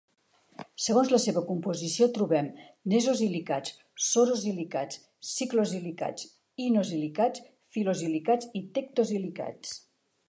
Segons la seva composició trobem nesosilicats, sorosilicats, ciclosilicats, inosilicats, fil·losilicats i tectosilicats.